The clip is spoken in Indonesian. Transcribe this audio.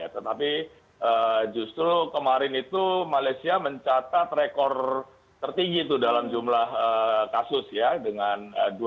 tetapi justru kemarin itu malaysia mencatat rekor tertinggi dalam jumlah kasus ya dengan dua lima ratus dua puluh lima